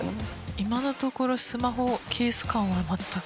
今のところスマホケース感は全く。